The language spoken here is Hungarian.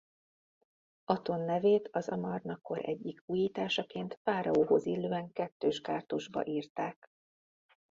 Aton nevét az Amarna-kor egyik újításaként fáraóhoz illően kettős kártusba írták.